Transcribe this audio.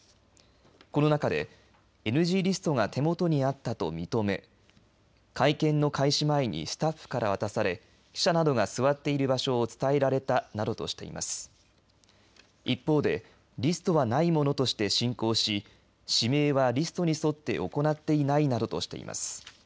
この中でＮＧリストが手元にあったと認め会見の開始前にスタッフから渡され記者などが座っている場所を伝えられたなどとしていますが一方でリストはないものとして進行し指名はリストに沿って行っていないなどとしています。